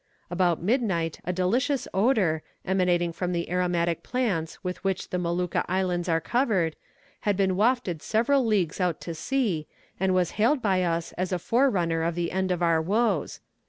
"About midnight a delicious odour, emanating from the aromatic plants with which the Molucca Islands are covered, had been wafted several leagues out to sea, and was hailed by us as a forerunner of the end of our woes.